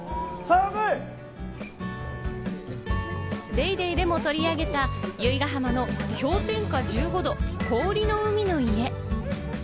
『ＤａｙＤａｙ．』でも取り上げた、由比ガ浜の氷点下１５度、氷の海の家。